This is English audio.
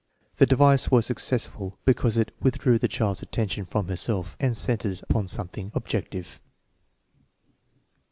The device was successful because it withdrew the child's attention from herself and centered it upon some thing objective.